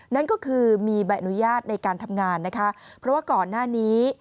นั่นก็คือมีใบอนุญาตในการทำงานนะคะเพราะว่าก่อนหน้านี้